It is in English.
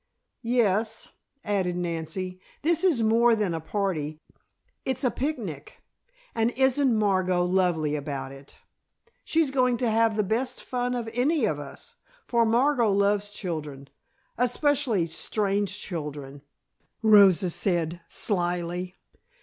"Yes," added Nancy, "this is more than a party; it's a picnic. And isn't Margot lovely about it?" "She's going to have the best fun of any of us, for Margot loves children, especially strange children," Rosa said, slyly.